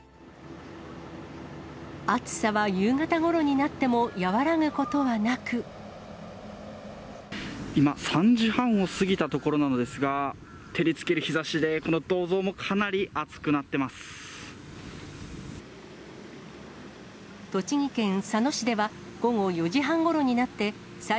暑さは夕方ごろになっても和今、３時半を過ぎたところなのですが、照りつける日ざしで、この銅像もかなり熱くなってます。